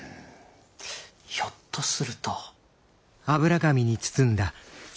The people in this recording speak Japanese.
ひょっとすると。